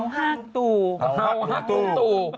เฮาฮักตู่